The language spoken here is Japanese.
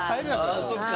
ああそっか。